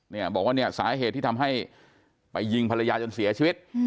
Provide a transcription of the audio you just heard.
เนี่ยบอกว่าเนี่ยสาเหตุที่ทำให้ไปยิงภรรยาจนเสียชีวิต